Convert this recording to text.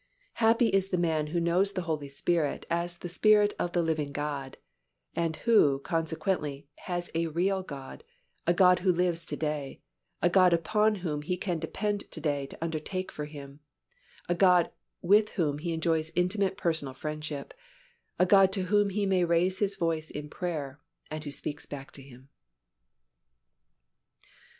Happy is the man who knows the Holy Spirit as the Spirit of the living God, and who, consequently, has a real God, a God who lives to day, a God upon whom he can depend to day to undertake for him, a God with whom he enjoys intimate personal fellowship, a God to whom he may raise his voice in prayer and who speaks back to him.